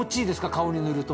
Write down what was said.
顔に塗ると。